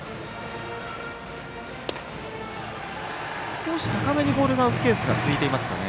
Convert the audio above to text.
少し高めにボールが浮くケースが続いていますかね。